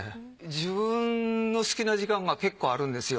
自分の好きな時間が結構あるんですよ。